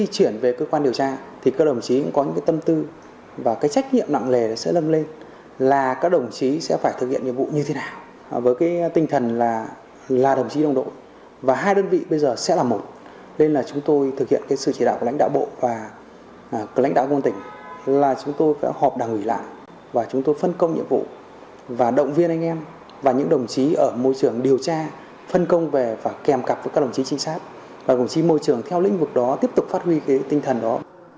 sự chỉ đạo của lãnh đạo bộ và lãnh đạo công an tỉnh là chúng tôi phải họp đảng ủy lại và chúng tôi phân công nhiệm vụ và động viên anh em và những đồng chí ở môi trường điều tra phân công về và kèm cặp với các đồng chí trinh sát và đồng chí môi trường theo lĩnh vực đó tiếp tục phát huy cái tinh thần đó